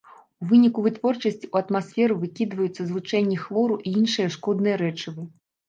У выніку вытворчасці ў атмасферу выкідваюцца злучэнні хлору і іншыя шкодныя рэчывы.